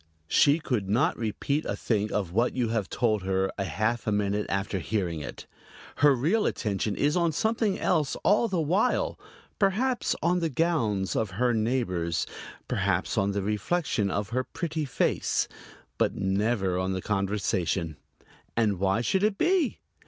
She could not repeat a thing of what you have told her a half minute after hearing it. Her real attention is on something else all the while perhaps on the gowns of her neighbors, perhaps on the reflection of her pretty face but never on the conversation. And why should it be?